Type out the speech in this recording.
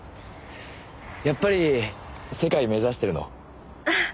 やっぱり世界目指してるの？